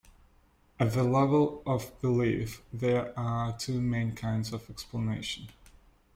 At the level of belief, there are two main kinds of explanation.